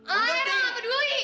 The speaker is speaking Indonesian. ah eram apa duit